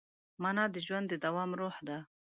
مانا د ژوند د دوام روح ده.